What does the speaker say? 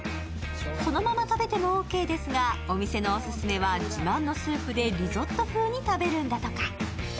そのまま食べてもオッケーですが、お店のオススメは自慢のスープでリゾット風に食べるんだとか。